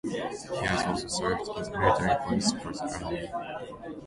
He has also served in the military police for the Army.